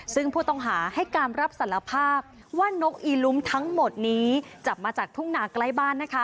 ซึ่งผู้ต้องหาให้การรับสารภาพว่านกอีลุ้มทั้งหมดนี้จับมาจากทุ่งหนาใกล้บ้านนะคะ